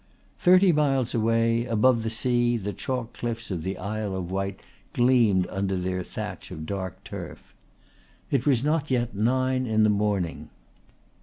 Thirty miles away above the sea the chalk cliffs of the Isle of Wight gleamed under their thatch of dark turf. It was not yet nine in the morning.